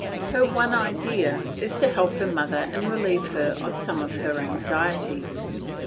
Her one idea is to help her mother and relieve her of some of her anxieties.